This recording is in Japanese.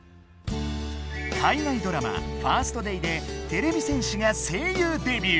海外ドラマ「ファースト・デイ」でてれび戦士が声優デビュー！